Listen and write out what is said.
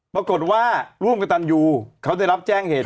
ปรากฏว่าโรคตันยูเขาได้รับแจ้งเหตุ